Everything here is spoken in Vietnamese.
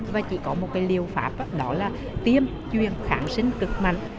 và chỉ có một cái liều pháp đó là tiêm chuyện khảm sinh cực mạnh